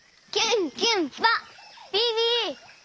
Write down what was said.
ビビ！